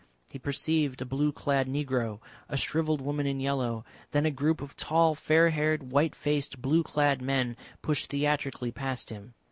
He perceived a blue clad negro, a shrivelled woman in yellow, then a group of tall fair haired, white faced, blue clad men pushed theatrically past him.